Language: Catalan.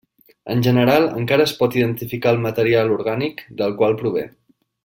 En general encara es pot identificar el material orgànic del qual prové.